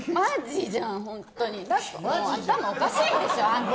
頭おかしいでしょあんた。